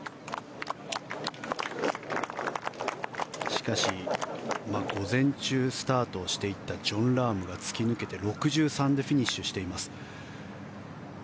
しかし、午前中スタートしていったジョン・ラームが突き抜けて６３でフィニッシュしています。